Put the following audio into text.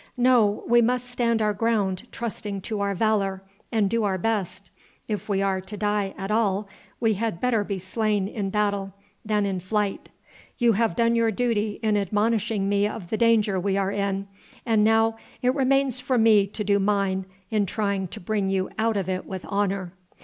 No. We must stand our ground, trusting to our valor, and do our best. If we are to die at all, we had better be slain in battle than in flight. You have done your duty in admonishing me of the danger we are in, and now it remains for me to do mine in trying to bring you out of it with honor."